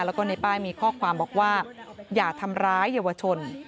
แล้วก็ในป้ายมีข้อความบอกว่าอย่าทำร้ายเยาวชน